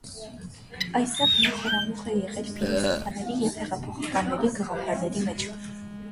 Այնտեղ նա խորամուխ է եղել փիլիսոփաների և հեղափոխականների գաղափարների մեջ։